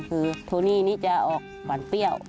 คือโทนี่นี่จะออกหวานเปรี้ยว